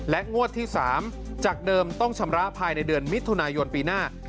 งวดที่๓จากเดิมต้องชำระภายในเดือนมิถุนายนปีหน้า